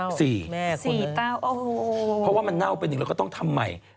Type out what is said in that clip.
เพราะว่ามันเน่าไปอยู่เราก็ต้องทำใหม่